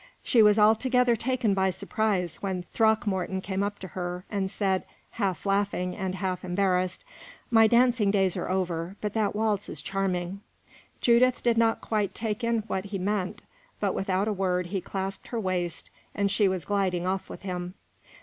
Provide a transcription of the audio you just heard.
She was altogether taken by surprise when Throckmorton came up to her, and said, half laughing and half embarrassed: "My dancing days are over, but that waltz is charming." Judith did not quite take in what he meant, but without a word he clasped her waist, and she was gliding off with him.